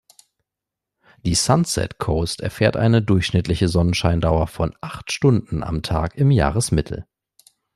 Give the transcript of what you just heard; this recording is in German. Die Sunset Coast erfährt eine durchschnittliche Sonnenscheindauer von acht Stunden am Tag im Jahresmittel.